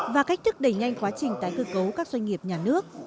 và cách thức đẩy nhanh quá trình tái cơ cấu các doanh nghiệp nhà nước